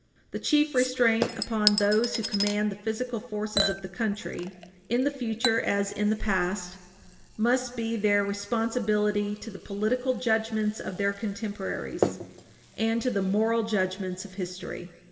The chief restraint upon those who command the physical forces of the country, in the future as in the past, must be their responsibility to the political judgments of their contemporaries and to the moral judgments of history.